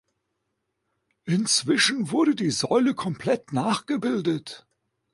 Inzwischen wurde die Säule komplett nachgebildet.